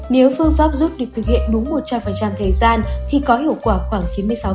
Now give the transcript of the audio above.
nếu phương pháp rút được thực hiện đúng một trăm linh thời gian thì có hiệu quả khoảng chín mươi sáu